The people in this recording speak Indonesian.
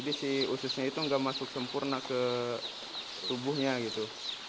si ususnya itu nggak masuk sempurna ke tubuhnya gitu